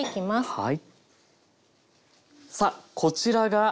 はい。